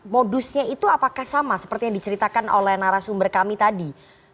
modusnya itu apakah sama seperti yang diceritakan oleh narasumber kami tadi